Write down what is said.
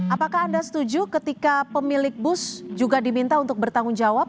apakah anda setuju ketika pemilik bus juga diminta untuk bertanggung jawab